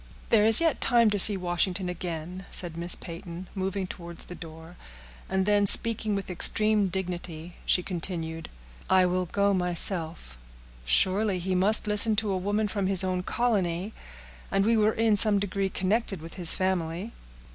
"There is yet time to see Washington again," said Miss Peyton, moving towards the door; and then, speaking with extreme dignity, she continued, "I will go myself; surely he must listen to a woman from his own colony!—and we are in some degree connected with his family."